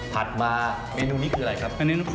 มาเมนูนี้คืออะไรครับ